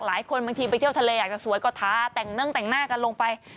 บางทีไปเที่ยวทะเลอยากจะสวยก็ท้าแต่งเนื่องแต่งหน้ากันลงไป